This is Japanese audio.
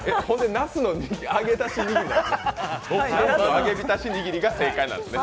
なすの揚げびたしにぎりが正解なんですね。